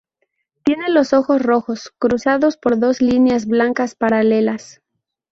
Tiene los ojos rojos, cruzados por dos líneas blancas paralelas.